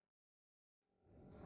kabur lagi kejar kejar kejar